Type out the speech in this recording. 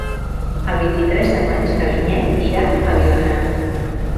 El vint-i-tres de maig na Vinyet irà a Vilanant.